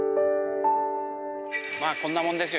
まあこんなもんですよ